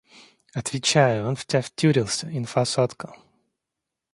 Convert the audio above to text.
Отвечаю, он в тя втюрился, инфа сотка.